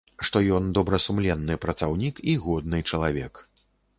Што ён добрасумленны працаўнік і годны чалавек.